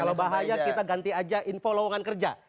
kalau bahaya kita ganti aja info lawangan kerja